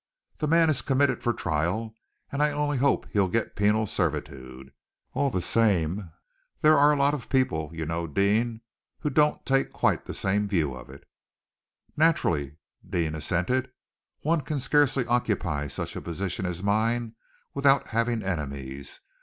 The man is committed for trial, and I only hope he'll get penal servitude. All the same, there are a lot of people, you know, Deane, who don't take quite the same view of it." "Naturally," Deane assented. "One can scarcely occupy such a position as mine without having enemies.